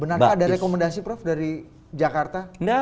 benarkah ada rekomendasi prof dari jakarta